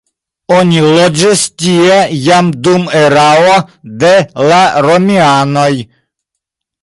Oni loĝis tie jam dum erao de la romianoj.